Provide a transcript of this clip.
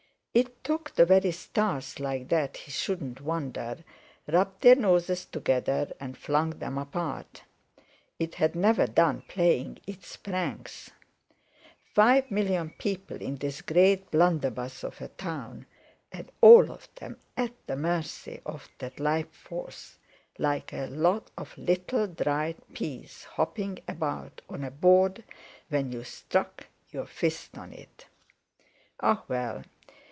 It took the very stars like that, he shouldn't wonder, rubbed their noses together and flung them apart; it had never done playing its pranks. Five million people in this great blunderbuss of a town, and all of them at the mercy of that Life Force, like a lot of little dried peas hopping about on a board when you struck your fist on it. Ah, well!